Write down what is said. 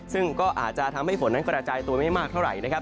ซึ่งก็อาจจะทำให้ฝนนั้นกระจายตัวไม่มากเท่าไหร่นะครับ